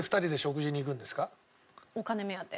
お金目当て。